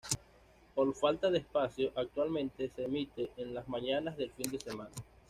Por falta de espacio actualmente se emite en las mañanas del fin de semana.